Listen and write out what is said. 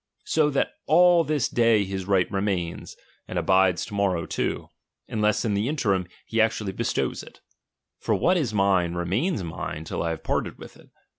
So that all this day his right remains, and abides to mom>w too, unless in the interim he actually be stows it : for what is mine, remains mine tUl I have (Hirted witli it.